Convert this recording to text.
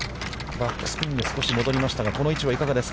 バックスピンで、少し戻りましたが、この位置はいかがですか。